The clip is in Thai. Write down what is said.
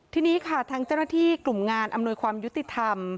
ทีนี้ค่ะทางเจ้าหน้าที่กลุ่มงานอำนวยความยุติธรรม